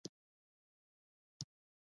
زه د دې جملې مانا ښه درک کوم.